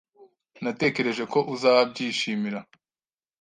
Natekereje ko uzabyishimira.